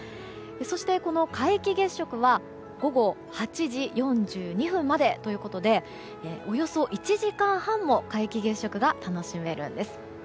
そして、この皆既月食は午後８時４２分までということでおよそ１時間半も皆既月食が楽しめるんです。